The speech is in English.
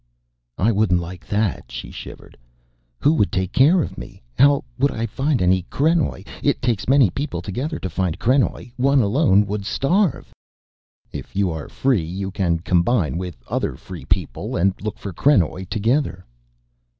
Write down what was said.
"I wouldn't like that." She shivered. "Who would take care of me? How could I find any krenoj? It takes many people together to find krenoj, one alone would starve." "If you are free, you can combine with other free people and look for krenoj together."